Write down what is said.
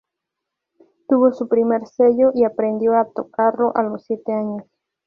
Tuvo su primer cello y aprendió a tocarlo a los siete años.